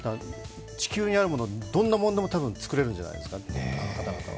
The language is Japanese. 地球にあるもの、どんなものでも多分作れるんじゃないですか、あの方々は。